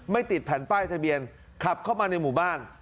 ติดแผ่นป้ายทะเบียนขับเข้ามาในหมู่บ้าน